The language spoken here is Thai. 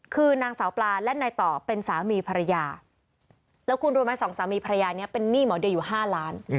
คือนางสาวปลาและนายต่อเป็นสามีภรรยาแล้วคุณรู้ไหมสองสามีภรรยานี้เป็นหนี้หมอเดียอยู่๕ล้าน